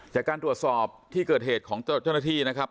จากการตรวจสอบที่เกิดเหตุของเจ้าหน้าที่นะครับ